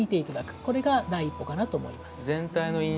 これが第一歩かなと思います。